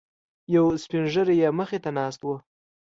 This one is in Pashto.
یو سپینږیری یې مخې ته ناست و.